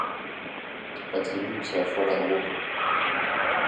But he leaves her for another woman.